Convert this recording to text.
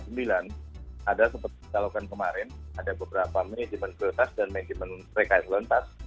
dan ada seperti yang kita lakukan kemarin ada beberapa manajemen kreatifitas dan manajemen rekaan lantas